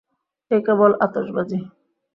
এ কেবল আতশবাজি।